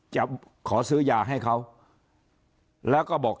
จะขอซื้อยาให้เขาแล้วก็บอก